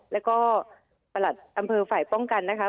แล้วก็ประหลัดอำเภอฝ่ายป้องกันนะคะ